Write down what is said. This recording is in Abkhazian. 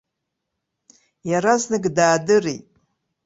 Иаразнак даадырит.